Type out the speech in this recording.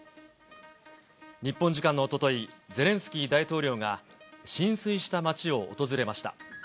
日本時間のおととい、ゼレンスキー大統領が浸水した町を訪れました。